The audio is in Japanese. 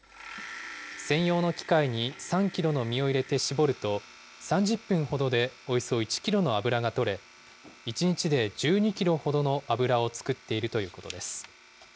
専用の機械に３キロの実を入れて搾ると、３０分ほどでおよそ１キロの油が取れ、１日で１２キロほどの油を作っているということです。